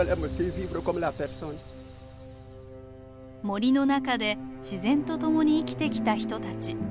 森の中で自然とともに生きてきた人たち。